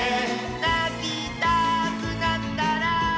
「なきたくなったら」